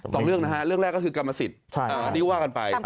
สองเรื่องนะฮะเรื่องแรกก็คือกรรมสิทธิ์อันนี้ว่ากันไป